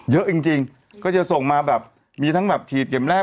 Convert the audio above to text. เยอะจริงก็จะส่งมาแบบมีทั้งแบบฉีดเข็มแรก